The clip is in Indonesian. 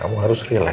kamu harus relax ya